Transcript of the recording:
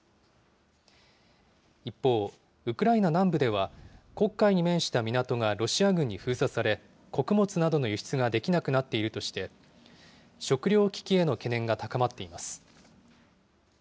一方、ウクライナ南部では、黒海に面した港がロシア軍に封鎖され、穀物などの輸出ができなくなっているとして、食糧危機への懸念が高まっています。